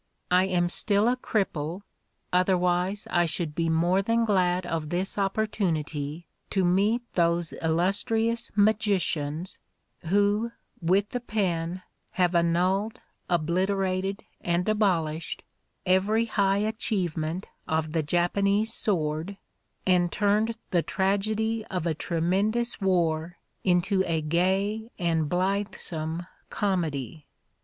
— I am still a cripple, otherwise I should be more than glad of this opportunity to meet those illustrious magicians who with the pen have annulled, obliterated and abol ished every high achievement of the Japanese sword and turned the tragedy of a tremendous war into a gay and blithesome com edy.